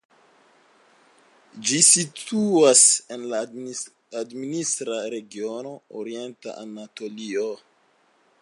Ĝi situas en la administra regiono Orienta Anatolio.